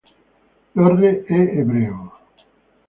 Lorre è ebreo.